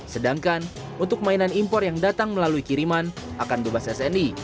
sedangkan untuk mainan impor yang datang melalui kiriman akan bebas sni